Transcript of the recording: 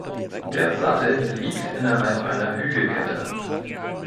Der Sattel liegt innerhalb einer Hügelkette.